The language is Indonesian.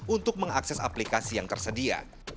untuk mengakses aplikasi yang tersedia